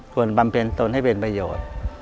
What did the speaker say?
บำเพ็ญตนให้เป็นประโยชน์